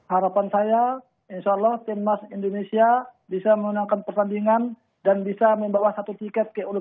harapan saya insya allah timnas indonesia bisa menangkan pertandingan dan bisa membawa satu tiket ke u dua puluh